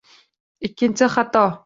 Ikkinchi xato.